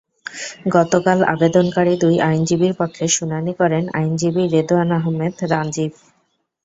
গতকাল আবেদনকারী দুই আইনজীবীর পক্ষে শুনানি করেন আইনজীবী রেদোয়ান আহমেদ রানজিব।